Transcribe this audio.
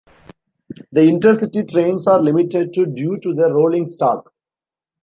The InterCity trains are limited to due to the rolling stock.